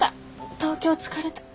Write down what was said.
東京疲れた。